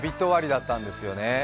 終わりだったんですね。